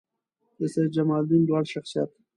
د سیدجمالدین لوړ شخصیت